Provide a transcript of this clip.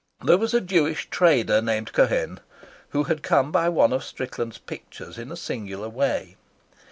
There was a Jewish trader called Cohen, who had come by one of Strickland's pictures in a singular way.